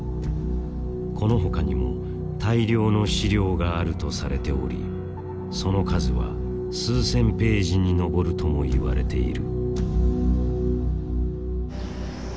このほかにも大量の資料があるとされておりその数は数千ページに上るとも言われている。